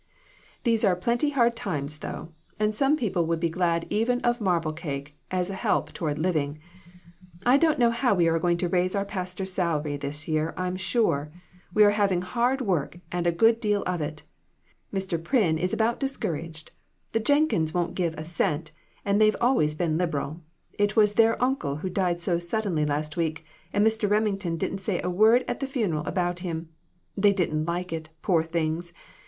These are pretty hard times, though, and some people would be glad even of marble cake as a help toward living. I don't know how we are going to raise our pastor's sal ary this year, I'm sure; we are having hard work and a good deal of it. Mr. Pryn is about discour aged. The Jenkins' won't give a cent, and they've always been liberal. It was their uncle who died so suddenly last week, and Mr. Remington didn't say a word at the funeral about him ; they didn't like it, poor things.